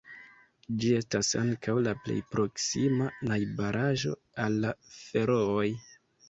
Ĝi estas ankaŭ la plej proksima najbaraĵo al la Ferooj.